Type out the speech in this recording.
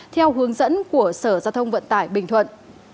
theo hướng dẫn của sở giao thông vận tải bình thuận